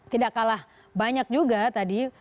tidak kalah banyak juga tadi